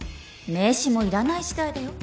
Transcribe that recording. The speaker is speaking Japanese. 名刺もいらない時代だよ